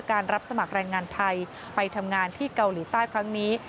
รับสมัครแรงงานไทยไปทำงานที่เกาหลีใต้ครั้งนี้